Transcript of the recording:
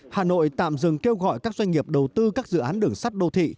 hà nội tạm dừng kêu gọi các doanh nghiệp đầu tư các dự án đường sắt đô thị